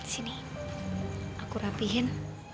sini aku rapihin